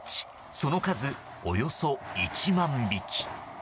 その数、およそ１万匹。